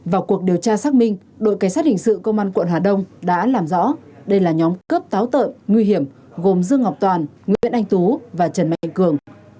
vào cuộc điều tra xác minh đội cảnh sát hình sự công an quận hà đông đã làm rõ đây là nhóm cướp táo tợn nguy hiểm gồm dương ngọc toàn nguyễn anh tú và trần mạnh cường